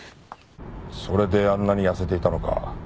それであんなに痩せていたのか。